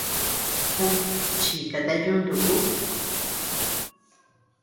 Jù, chikata yuntu ú.